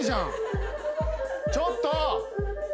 ・ちょっと！